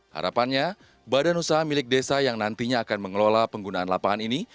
harapannya badan usaha milik desa yang nantinya akan mengelola penggunaan lapangan ini